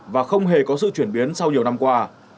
và không hề có sự chuyển biến sau nhiều năm qua